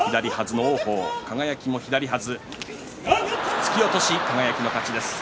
突き落とし輝の勝ちです。